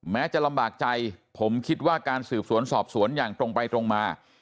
จะลำบากใจผมคิดว่าการสืบสวนสอบสวนอย่างตรงไปตรงมา